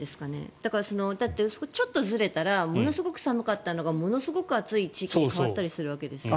だから、ちょっとずれたらものすごく寒かったのがものすごい地域に変わったりするんです。